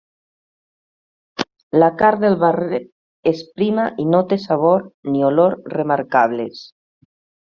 La carn del barret és prima, i no té sabor ni olor remarcables.